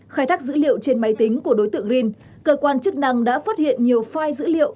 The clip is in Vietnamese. khai thác dữ liệu trên máy tính của đối tượng rin cơ quan chức năng đã phát hiện nhiều file dữ liệu